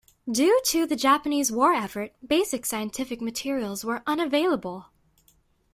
Due to the Japanese war effort, basic scientific materials were unavailable.